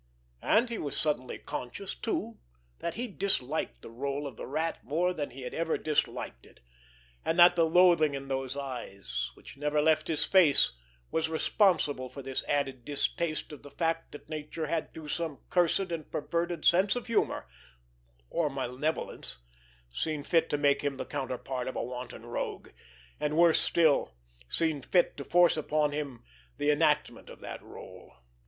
And he was suddenly conscious, too, that he disliked the rôle of the Rat more than he had ever disliked it, and that the loathing in those eyes, which never left his face, was responsible for this added distaste of the fact that nature had, through some cursed and perverted sense of humor or malevolence, seen fit to make him the counterpart of a wanton rogue, and, worse still, seen fit to force upon him the enactment of that rôle.